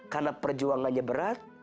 karena perjuangannya berat